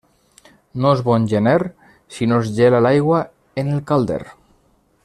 No és bon gener si no es gela l'aigua en el calder.